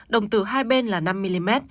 đồng từ hai bên là năm mm